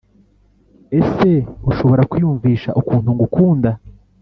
Ese ushobora kwiyumvisha ukuntu ngukunda